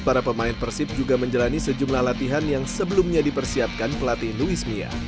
para pemain persib juga menjalani sejumlah latihan yang sebelumnya dipersiapkan pelatih luis mia